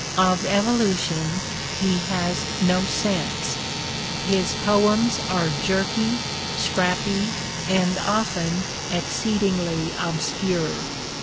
Of evolution he has no sense : his poems are jerky, scrappy, and often exceedingly obscure.